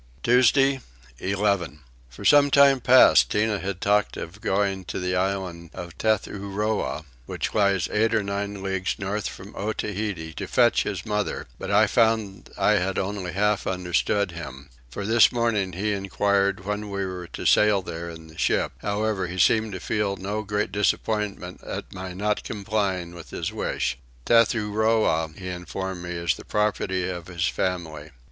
Tuesday 11. For some time past Tinah had talked of going to the island of Tethuroa which lies eight or ten leagues north from Otaheite to fetch his mother; but I found I had only half understood him; for this morning he enquired when we were to sail there in the ship: however he seemed to feel no great disappointment at my not complying with his wish. Tethuroa he informed me is the property of his family.